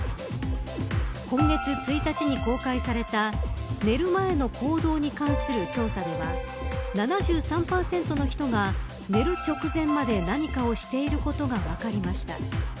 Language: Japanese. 今月１日に公開された寝る前の行動に関する調査では７３％の人が寝る直前まで何かをしていることが分かりました。